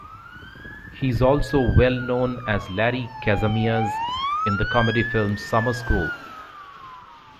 He is also well known as Larry Kazamias in the comedy film "Summer School".